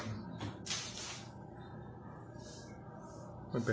สนุกของคุณค่ะ